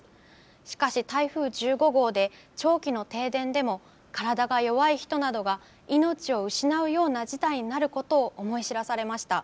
しかし台風１５号で長期の停電でも体が弱い人などが命を失うような事態になることを思い知らされました。